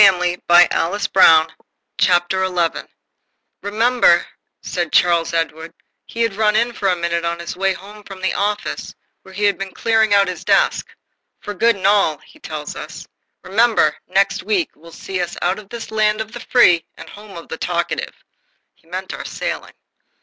PEGGY, by Alice Brown "Remember," said Charles Edward he had run in for a minute on his way home from the office where he has been clearing out his desk, "for good and all," he tells us "remember, next week will see us out of this land of the free and home of the talkative." He meant our sailing.